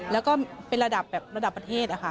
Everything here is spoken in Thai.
แล้วก็เป็นระดับประเทศค่ะ